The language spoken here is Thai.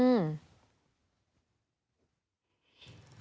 อืม